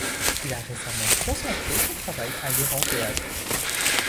Il a récemment concentré son travail à l'Iran Théâtre.